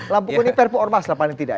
lampu kuning perpu ormas lah paling tidak